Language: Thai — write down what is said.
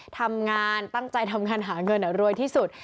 ทำงานตั้งใจทำงานหาเงินรวยที่สุด